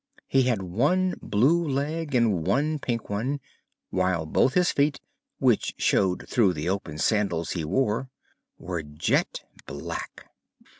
He had one blue leg and one pink one, while both his feet which showed through the open sandals he wore were jet black.